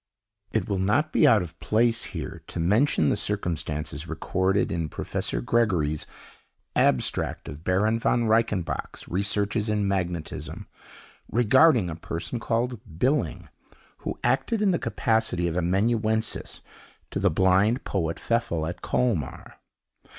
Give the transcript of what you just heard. It will not be out of place, here, to mention the circumstance recorded in Professor Gregory's "Abstract of Baron von Reichenbach's Researches in Magnetism," regarding a person called Billing, who acted in the capacity of amanuensis to the blind poet Pfeffel, at Colmar.